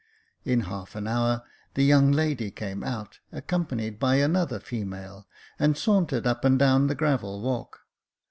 In half an hour the young lady came out, accompanied by another female, and sauntered up and down the gravel walk.